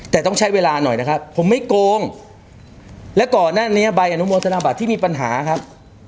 แต่ต้องใช้เวลาหน่อยนะครับผมไม่โกงและก่อนหน้านี้ใบอนุโมทนาบัตรที่มีปัญหาครับ